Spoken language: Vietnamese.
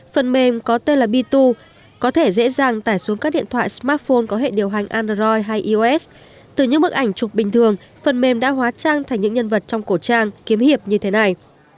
phần mềm có tên là bitu có thể dễ dàng tải xuống các điện thoại smartphone có hệ điều hành android hay ios từ những bức ảnh chụp bình thường phần mềm đã hóa trang thành những nhân vật trong cổ trang kiếm hiệp như thế này